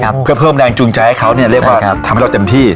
เพื่อเพิ่มแรงจูงใจให้เขาเนี้ยเรียกว่าครับทำให้เราเต็มที่